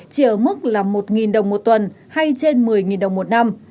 chỉ ở mức là một đồng một tuần hay trên một mươi đồng một năm